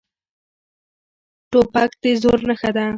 توپک د زور نښه ده.